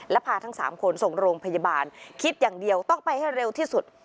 และพาทั้ง๓คนส่งโรงพยาบาลคิดอย่างเดียวต้องไปให้เร็วที่สุด